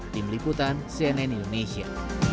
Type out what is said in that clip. tim liputan cnn indonesia